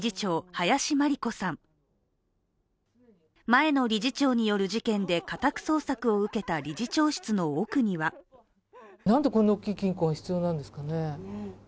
前の理事長による事件で家宅捜索を受けた理事長室の奥にはなんでこんなに大きな金庫が必要なんですかね？